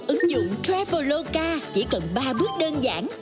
ứng dụng traveloka chỉ cần ba bước đơn giản